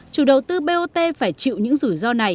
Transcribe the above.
chủ đầu tư bot phải chịu những rủi ro